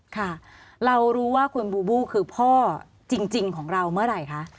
ค่ะเรารู้ว่าคุณบูบูคือพ่อจริงของเราเมื่อไหร่คะ